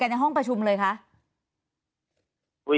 ทีนี้วันอาทิตย์หยุดแล้วก็วันจันทร์ก็หยุด